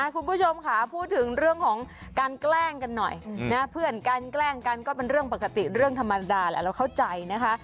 คุณผู้ชมค่ะพูดถึงเรื่องของการแกล้งกันหน่อยนะเพื่อนกันแกล้งกันก็เป็นเรื่องปกติเรื่องธรรมดาแหละเราเข้าใจนะคะ